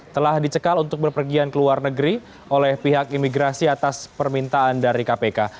telah dicekal untuk berpergian ke luar negeri oleh pihak imigrasi atas permintaan dari kpk